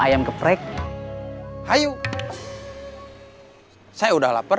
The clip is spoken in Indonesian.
ayam geprek ayo saya udah lapar